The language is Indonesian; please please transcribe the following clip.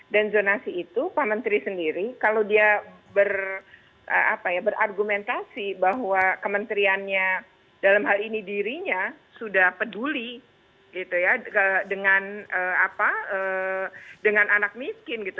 dan zonasi itu pak menteri sendiri kalau dia berargumentasi bahwa kementeriannya dalam hal ini dirinya sudah peduli dengan anak miskin